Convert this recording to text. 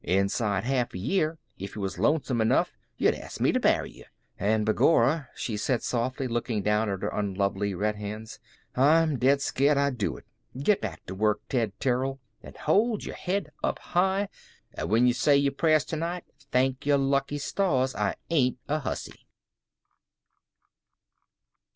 Inside half a year, if yuh was lonesome enough, yuh'd ask me to marry yuh. And b'gorra," she said softly, looking down at her unlovely red hands, "I'm dead scared I'd do it. Get back to work, Ted Terrill, and hold yer head up high, and when yuh say your prayers to night, thank your lucky stars I ain't a hussy."